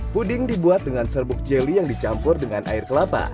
puding dibuat dengan serbuk jeli yang dicampur dengan air kelapa